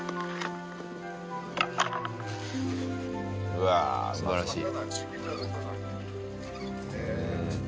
うわ素晴らしい！